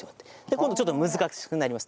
今度ちょっと難しくなります。